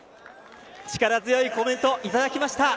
力強いコメントをいただきました。